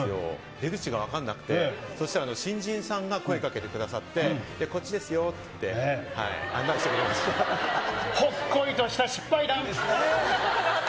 出口が分かんなくて、そしたら新人さんが声かけてくださって、こっちですよって言って、ほっこりとした失敗談。